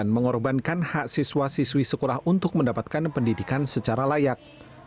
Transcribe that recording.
mengorbankan hak siswa siswi sekolah untuk mendapatkan pendidikan secara layak